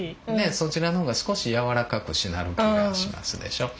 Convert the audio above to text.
そちらの方が少しやわらかくしなる気がしますでしょう。